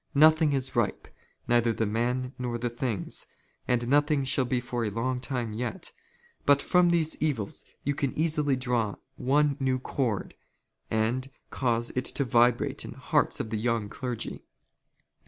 Nothing is " ripe, neither the men nor the things, and nothing shall be for a " long time yet ; but from these evils you can easily draw one new " chord, and cause it to vibrate in the hearts of the young " clergy.